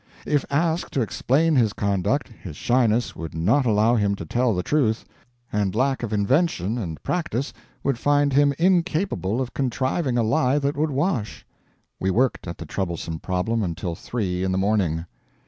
If asked to explain his conduct, his shyness would not allow him to tell the truth, and lack of invention and practice would find him incapable of contriving a lie that would wash. We worked at the troublesome problem until three in the morning.